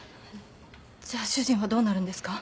じゃあ主人はどうなるんですか？